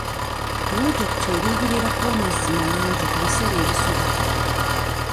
Pulojekiti eruubirira kuwa mazzi mayonjo ku bisale ebisoboka.